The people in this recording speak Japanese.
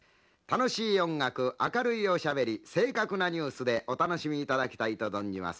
楽しい音楽明るいおしゃべり正確なニュースでお楽しみ頂きたいと存じます。